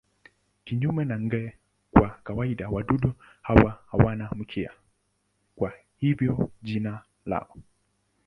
Kinyume na nge wa kawaida wadudu hawa hawana mkia, kwa hivyo jina lao.